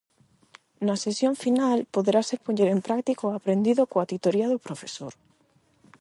Na sesión final poderase poñer en práctica o aprendido coa titoría do profesor.